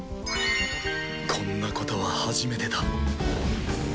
こんなことは初めてだ。